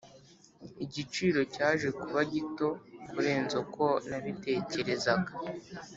igiciro cyaje kuba gito kurenza uko nabitekerezaga.